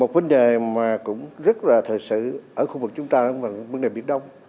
vấn đề mà cũng rất là thời sự ở khu vực chúng ta vấn đề biển đông